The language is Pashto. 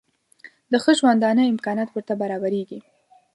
د ښه ژوندانه امکانات ورته برابرېږي.